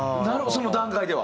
その段階では？